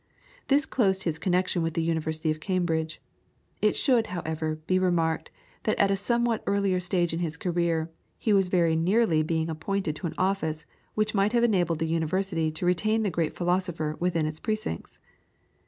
This closed his connection with the University of Cambridge. It should, however, be remarked that at a somewhat earlier stage in his career he was very nearly being appointed to an office which might have enabled the University to retain the great philosopher within its precincts.